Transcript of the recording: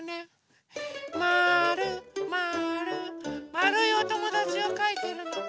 まるいおともだちをかいてるの。